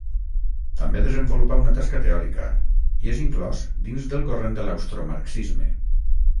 També desenvolupà una tasca teòrica, i és inclòs dins del corrent de l'austromarxisme.